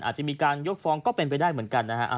อาจจะมีการยกฟ้องก็เป็นไปได้เหมือนกันนะฮะ